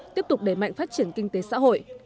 tiếp tục đẩy mạnh phát triển kinh tế xã hội